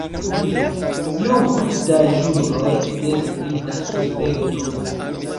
Ju pli da ĵuroj, des pli da suspekto.